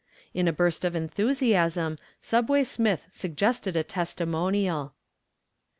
In a burst of enthusiasm "Subway" Smith suggested a testimonial.